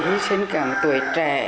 hy sinh cảm tuổi trẻ